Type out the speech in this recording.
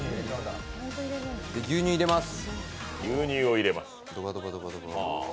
牛乳入れます。